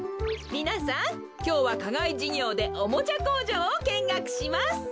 みなさんきょうはかがいじゅぎょうでおもちゃこうじょうをけんがくします。